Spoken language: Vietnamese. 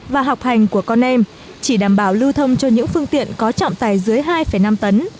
và học hành của con em chỉ đảm bảo lưu thông cho những phương tiện có trọng tài dưới hai năm tấn